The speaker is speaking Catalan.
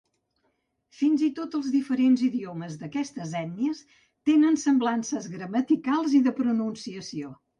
Fins i tot els diferents idiomes d'aquestes ètnies tenen semblances gramaticals i de pronunciació.